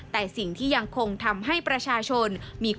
แต่สิ่งที่ยังคงทำให้ประชาชน